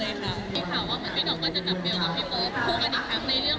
มีข่าวว่าเหมือนที่เราก็จะกลับเบลกับพี่โบ๊ค